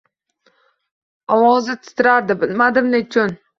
Ovozi titrardi — bilmadim nechun?